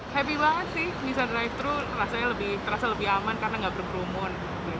happy banget sih bisa drive thru terasa lebih aman karena nggak berperumun